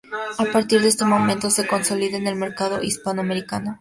A partir de este momento se consolida en el mercado hispanoamericano.